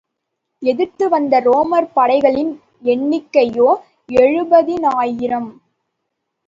எதிர்த்து வந்த ரோமர் படைகளின் எண்ணிக்கையோ எழுபதினாயிரம்.